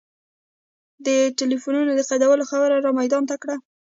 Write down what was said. د ټلفونونو د قیدولو خبره را میدان ته کړه.